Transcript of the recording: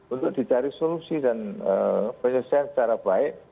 untuk dicari solusi dan penyelesaian secara baik